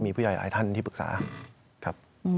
มีผู้ใหญ่หลายท่านที่ปรึกษาครับ